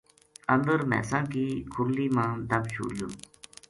اندر مھیساں کی کُھرلی ما دب چھوڈیو